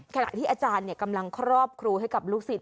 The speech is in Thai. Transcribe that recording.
ขณะที่อาจารย์กำลังครอบครูให้กับลูกศิษย